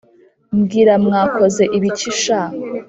mbwira mwakoze ibiki sha!"